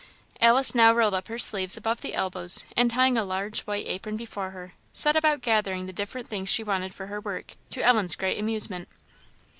Alice now rolled up her sleeves above the elbows, and tying a large white apron before her, set about gathering the different things she wanted for her work, to Ellen's great amusement.